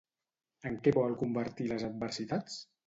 En què vol convertir les adversitats?